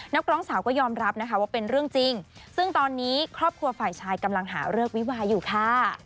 นักร้องสาวก็ยอมรับนะคะว่าเป็นเรื่องจริงซึ่งตอนนี้ครอบครัวฝ่ายชายกำลังหาเลิกวิวาอยู่ค่ะ